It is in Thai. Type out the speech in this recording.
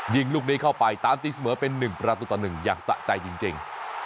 ยิงลูกนี้เข้าไปตามตีเสมอเป็น๑ประตูต่อ๑อย่างสะใจจริง